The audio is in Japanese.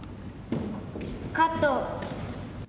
カット。